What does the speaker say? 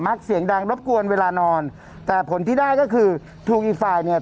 เสียงดังรบกวนเวลานอนแต่ผลที่ได้ก็คือถูกอีกฝ่ายเนี่ย